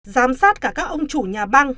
giám sát cả các ông chủ nhà băng